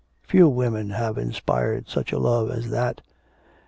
Few women have inspired such a love as that....